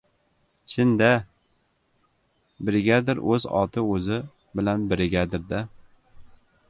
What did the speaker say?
Chin-da — brigadir o‘z oti o‘zi bilan brigadir-da.